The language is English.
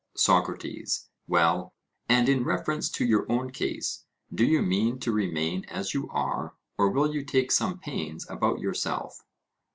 SOCRATES: Well, and in reference to your own case, do you mean to remain as you are, or will you take some pains about yourself?